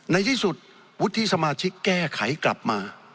ในที่สุดวุฒิสมาชิกแก้ไขกลับมา